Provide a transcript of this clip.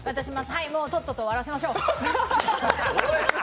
はい、もうとっとと終わらせましょう。